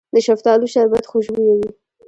د شفتالو شربت خوشبويه وي.